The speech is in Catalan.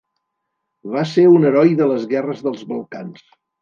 Va ser un heroi de les Guerres dels Balcans.